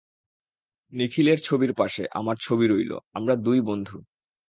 নিখিলের ছবির পাশে আমার ছবি রইল, আমরা দুই বন্ধু।